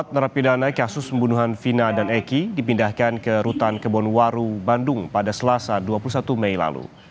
empat narapidana kasus pembunuhan vina dan eki dipindahkan ke rutan kebonwaru bandung pada selasa dua puluh satu mei lalu